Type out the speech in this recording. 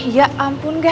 ya ampun ga